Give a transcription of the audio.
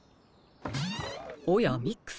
おやミックさん。